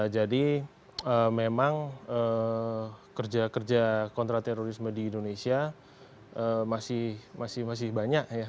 jadi memang kerja kerja kontraterorisme di indonesia masih banyak